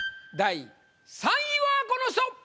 第３位はこの人！